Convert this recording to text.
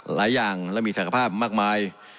หลายอย่างและมีศักภาพมากมาย